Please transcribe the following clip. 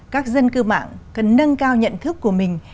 các dân cư mạng cần nâng cao nhận thức của mình